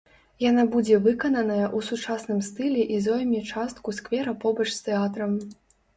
Яна будзе выкананая ў сучасным стылі і зойме частку сквера побач з тэатрам.